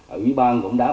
ở ủy ban cũng đã có